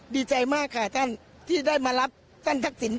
ดีใจมากค่ะท่านที่ได้มารับท่านทักษิณ